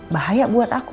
bahaya buat aku